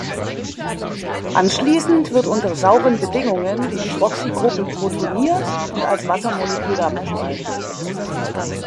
Anschließend wird unter sauren Bedingungen die Hydroxygruppe protoniert und als Wasser-Molekül abgespalten.